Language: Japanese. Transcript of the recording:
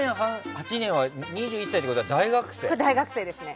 ２００８年は２１歳ってことは大学生ですね。